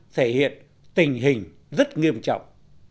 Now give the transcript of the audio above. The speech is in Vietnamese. thể hiện tình hình rất nghiêm trọng